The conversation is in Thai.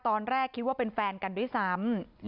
ตอนแรกคิดว่าเป็นแฟนกันด้วยซ้ำ